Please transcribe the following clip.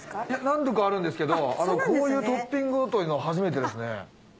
いや何度かあるんですけどこういうトッピングというのは初めてですね。